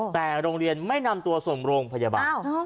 แต่โรงเรียนไม่นำตัวส่งโรงพยาบาล